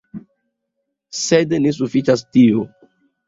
Sed ne sufiĉas tio.